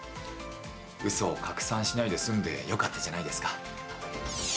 うそを拡散しないで済んでよかったじゃないですか。